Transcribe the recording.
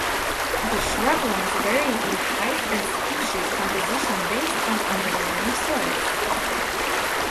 The shrublands vary in height and species composition based on underlying soils.